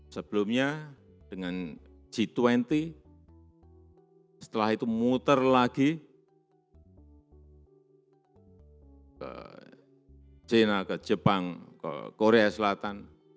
sebelumnya dengan g dua puluh setelah itu muter lagi ke china ke jepang ke korea selatan